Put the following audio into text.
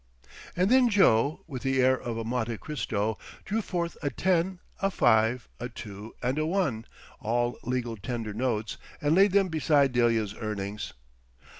And then Joe, with the air of a Monte Cristo, drew forth a ten, a five, a two and a one—all legal tender notes—and laid them beside Delia's earnings.